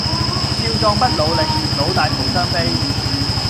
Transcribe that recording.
少壯不努力，老大徒傷悲